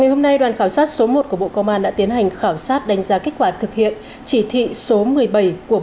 hôm nay đoàn khảo sát số một của bộ công an đã tiến hành khảo sát đánh giá kết quả thực hiện chỉ thị số một mươi bảy của